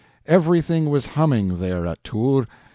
Everything was humming there at Tours.